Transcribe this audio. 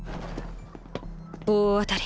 大当たり。